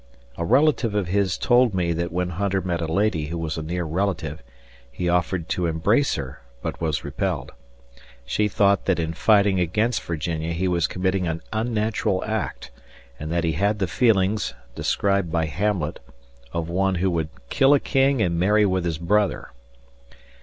A relative of his told me that when Hunter met a lady who was a near relative, he offered to embrace her, but was repelled. She thought that in fighting against Virginia he was committing an unnatural act and that he had the feelings, described by Hamlet, of one who "would kill a king and marry with his brother."